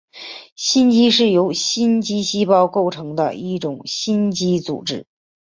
心肌是由心肌细胞构成的一种肌肉组织。